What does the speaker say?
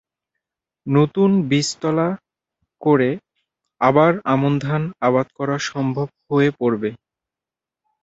নতুন বীজতলা করে আবার আমন ধান আবাদ করা অসম্ভব হয়ে পড়বে।